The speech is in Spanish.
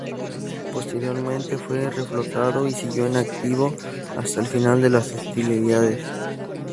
Posteriormente, fue reflotado, y siguió en activo hasta el final de las hostilidades.